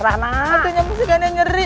aku tidak mau aku nyeri